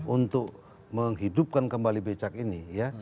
untuk menghidupkan kembali becak ini ya